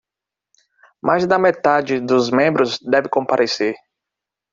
Mais da metade dos membros deve comparecer